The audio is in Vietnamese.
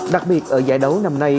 đặc biệt ở giải đấu năm nay